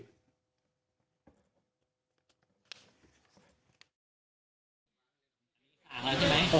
นะ